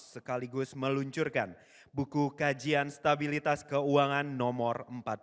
sekaligus meluncurkan buku kajian stabilitas keuangan nomor empat puluh dua